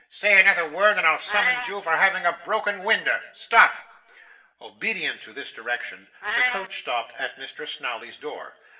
'Say another word, and I'll summons you for having a broken winder. Stop!' Obedient to this direction, the coach stopped at Mr. Snawley's door.